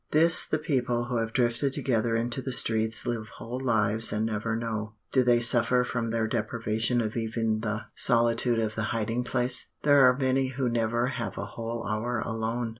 This the people who have drifted together into the streets live whole lives and never know. Do they suffer from their deprivation of even the solitude of the hiding place? There are many who never have a whole hour alone.